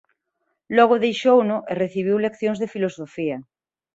Logo deixouno e recibiu leccións de filosofía.